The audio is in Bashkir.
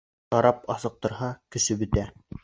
Шарап асыҡ торһа, көсө бөтә!